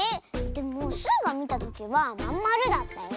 でもスイがみたときはまんまるだったよ。